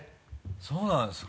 そうなんですか？